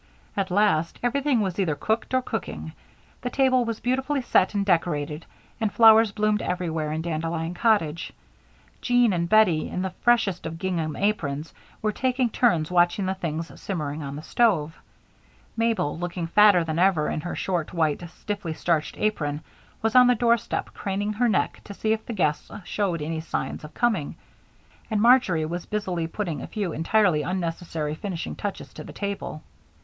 At last, everything was either cooked or cooking. The table was beautifully set and decorated and flowers bloomed everywhere in Dandelion Cottage. Jean and Bettie, in the freshest of gingham aprons, were taking turns watching the things simmering on the stove. Mabel, looking fatter than ever in her short, white, stiffly starched apron, was on the doorstep craning her neck to see if the guests showed any signs of coming, and Marjory was busily putting a few entirely unnecessary finishing touches to the table.